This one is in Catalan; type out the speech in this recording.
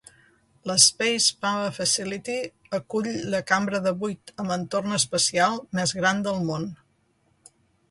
La Space Power Facility acull la cambra de buit amb entorn espacial més gran del món.